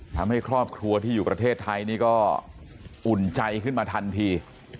ทำให้ครอบครัวที่อยู่ประเทศไทยนี่ก็อุ่นใจขึ้นมาทันที